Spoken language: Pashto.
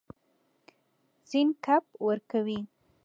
سیند کب ورکوي.